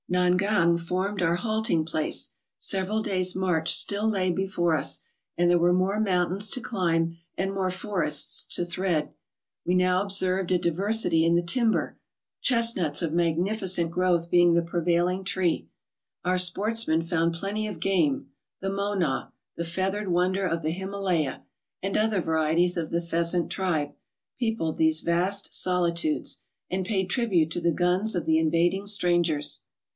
Nangang formed our ' halting place; several days' march still lay before I us, and there were more mountains to climb and j more forests to thread. We now observed a diversity | GUNGOOTREE. 231 in the timber, chestnuts of magnificent growth being the prevailing tree. Our sportsmen found plenty of game: the monah, the feathered wonder of the Himalaya, and other varieties of the pheasant tribe, peopled these vast solitudes, and paid tribute to the guns of the invading strangers.